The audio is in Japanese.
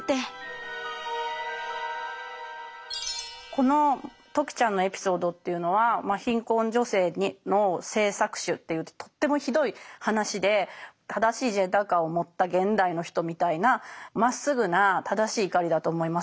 この時ちゃんのエピソードというのは貧困女性の性搾取っていうとってもひどい話で正しいジェンダー観を持った現代の人みたいなまっすぐな正しい怒りだと思います。